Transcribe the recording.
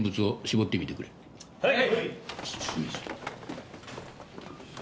はい。